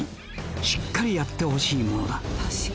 しっかりやってほしいものだ